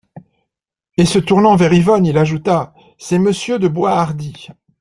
Et se tournant vers Yvonne, il ajouta : C'est Monsieur de Boishardy.